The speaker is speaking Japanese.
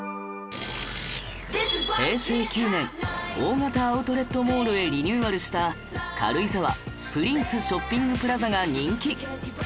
平成９年大型アウトレットモールへリニューアルした軽井沢・プリンスショッピングプラザが人気